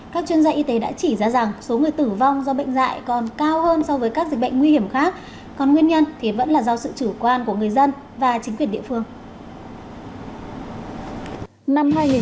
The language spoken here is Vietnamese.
các chuyên gia y tế đã chỉ ra rằng số người tử vong do bệnh dạy còn cao hơn so với các dịch bệnh nguy hiểm khác còn nguyên nhân thì vẫn là do sự chủ quan của người dân và chính quyền địa phương